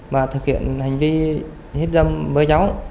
và thực hiện hành vi hiếp dâm với cháu